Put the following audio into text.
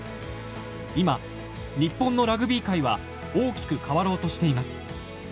今日本のラグビー界は大きく変わろうとしています。